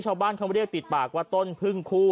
ชาวบ้านเขาเรียกติดปากว่าต้นพึ่งคู่